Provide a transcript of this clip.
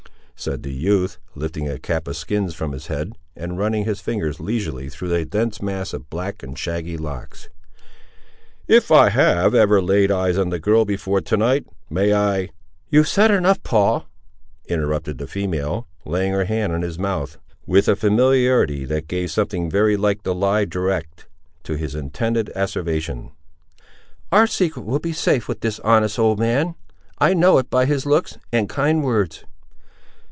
said the youth, lifting a cap of skins from his head, and running his fingers leisurely through a dense mass of black and shaggy locks, "if I have ever laid eyes on the girl before to night, may I—" "You've said enough, Paul," interrupted the female, laying her hand on his mouth, with a familiarity that gave something very like the lie direct, to his intended asseveration. "Our secret will be safe, with this honest old man. I know it by his looks, and kind words."